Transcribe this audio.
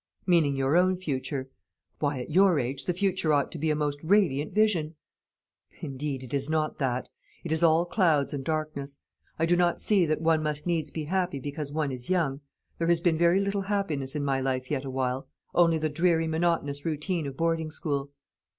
"Meaning your own future. Why, at your age the future ought to be a most radiant vision." "Indeed it is not that. It is all clouds and darkness. I do not see that one must needs be happy because one is young. There has been very little happiness in my life yet awhile, only the dreary monotonous routine of boarding school."